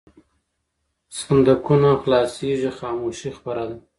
صندوقونه خلاصېږي خاموشي خپره ده.